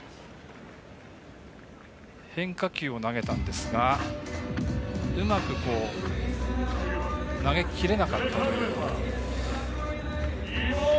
変化球を投げたんですがうまく投げ切れなかったという。